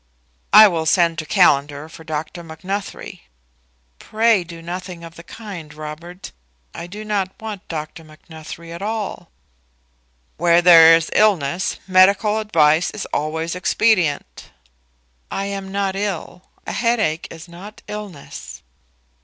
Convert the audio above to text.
"I will send to Callender for Dr. Macnuthrie." "Pray do nothing of the kind, Robert. I do not want Dr. Macnuthrie at all." "Where there is illness, medical advice is always expedient." "I am not ill. A headache is not illness."